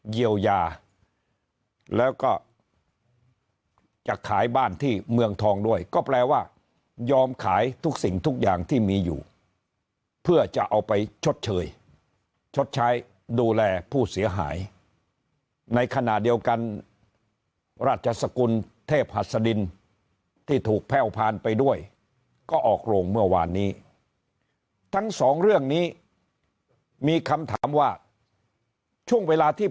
เยียวยาแล้วก็จะขายบ้านที่เมืองทองด้วยก็แปลว่ายอมขายทุกสิ่งทุกอย่างที่มีอยู่เพื่อจะเอาไปชดเชยชดใช้ดูแลผู้เสียหายในขณะเดียวกันราชสกุลเทพหัสดินที่ถูกแพ่วพานไปด้วยก็ออกโรงเมื่อวานนี้ทั้งสองเรื่องนี้มีคำถามว่าช่วงเวลาที่